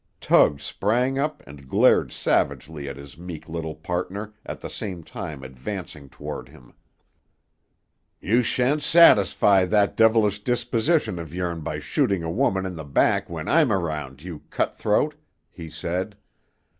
Tug sprang up and glared savagely at his meek little partner, at the same time advancing toward him. "You sha'n't satisfy that devilish disposition of yourn by shooting a woman in the back when I'm around, you cut throat," he said.